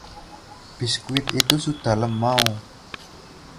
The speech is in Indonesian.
biskuit itu sudah lemau